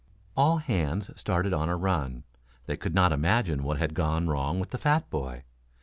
All hands started on a run. They could not imagine what had gone wrong with the fat boy.